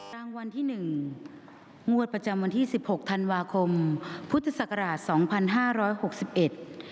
รางวัลที่หนึ่งงวดประจำวันที่สิบหกธันวาคมพุทธศักราชสองพันห้าร้อยหกสิบเอ็ด